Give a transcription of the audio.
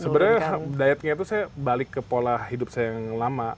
sebenarnya dietnya itu saya balik ke pola hidup saya yang lama